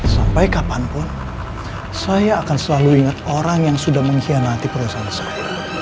sampai kapanpun saya akan selalu ingat orang yang sudah mengkhianati perusahaan saya